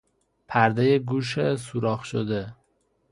پردهی گوش سوراخ شده